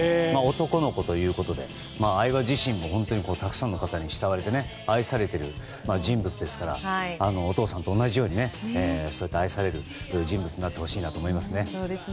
男の子ということで相葉自身もたくさんの方に慕われて愛されている人物ですからお父さんと同じように愛される人物になってほしいなと思いますね。